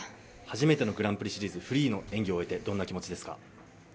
初めてのグランプリシリーズフリーの演技を終えてどんなお気持ちですか？